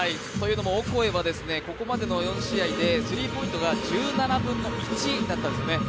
オコエはここまでの４試合でスリーポイントが１７分の１だったんですね。